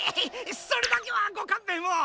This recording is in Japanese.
それだけはごかんべんを！